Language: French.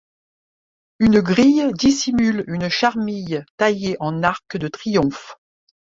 Une grille dissimule une charmille taillée en arc de triomphe.